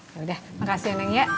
yaudah makasih neng ya